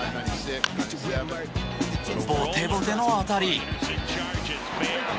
ボテボテの当たり。